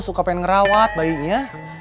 suka pengen ngerawat bayinya